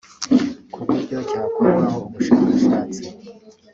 ku buryo cyakorwaho ubushakashatsi